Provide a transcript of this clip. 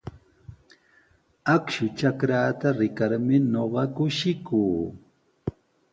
Akshu trakraata rikarmi ñuqa kushikuu.